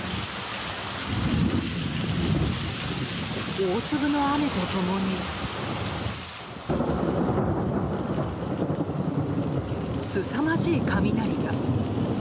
大粒の雨と共に、すさまじい雷が。